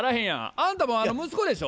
あんたも息子でしょ？